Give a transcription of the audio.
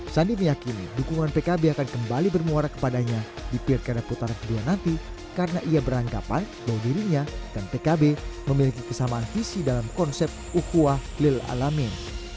sandi meyakini dukungan pkb akan kembali bermuara kepadanya di pilkada putaran kedua nanti karena ia beranggapan bahwa dirinya dan pkb memiliki kesamaan visi dalam konsep ukuah lil alamin